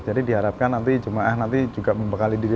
diharapkan nanti jemaah nanti juga membekali diri